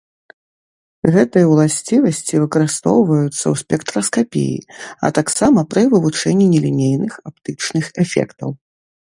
Гэтыя ўласцівасці выкарыстоўваюцца ў спектраскапіі, а таксама пры вывучэнні нелінейных аптычных эфектаў.